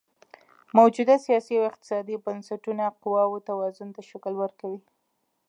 موجوده سیاسي او اقتصادي بنسټونه قواوو توازن ته شکل ورکوي.